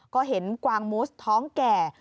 ก็เห็นกวางมูสท้องแก่